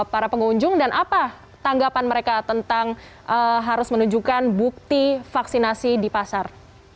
para pengunjung dan apa tanggapan mereka tentang harus menunjukkan bukti vaksinasi di pasar